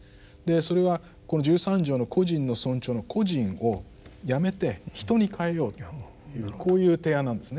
それはこの十三条の個人の尊重の「個人」をやめて「人」に変えようというこういう提案なんですね。